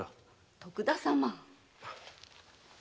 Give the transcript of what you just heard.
徳田様